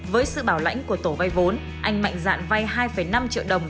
với sự bảo lãnh của tổ vay vốn anh mạnh dạn vay hai năm triệu đồng